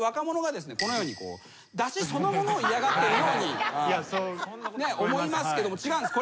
このようにだしそのものを嫌がってるように思いますけども違うんです。